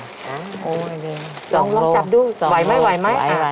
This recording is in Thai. อ้าวดูลองจับดูไหวไหม